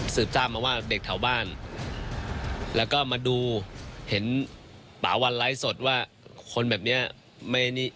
สืบทราบมาว่าเด็กเท่าบ้านแล้วก็มาดูเห็นป่าวันไร้สดว่าคนแบบนี้